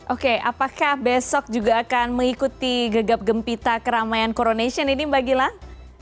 oke apakah besok juga akan mengikuti gegap gempita keramaian coronation ini mbak gilang